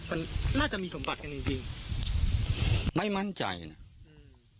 มันน่าจะมีสมบัติกันจริงจริงไม่มั่นใจน่ะอืม